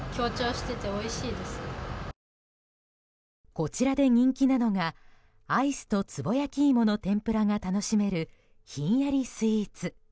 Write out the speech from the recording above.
こちらで人気なのがアイスとつぼ焼き芋の天ぷらが楽しめる、ひんやりスイーツ。